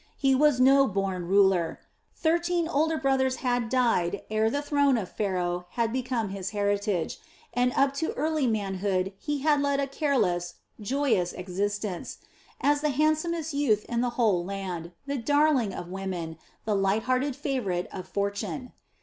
He was no born ruler; thirteen older brothers had died ere the throne of Pharaoh had become his heritage, and up to early manhood he had led a careless, joyous existence as the handsomest youth in the whole land, the darling of women, the light hearted favorite of fortune.